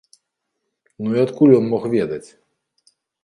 Ну і адкуль ён мог ведаць?